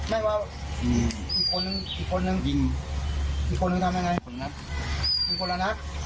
ไม่ว่าอีกคนนึงอีกคนนึงยิงอีกคนนึงทำยังไงคนนัดเป็นคนละนัด